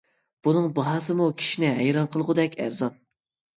بۇنىڭ باھاسىمۇ كىشىنى ھەيران قىلغۇدەك ئەرزان.